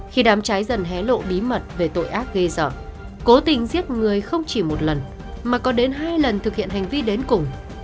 khi đám trái dần hé lộ bí mật về tội ác ghê dở cố tình giết người không chỉ một lần mà còn đến hai lần thực hiện hành vi đến cùng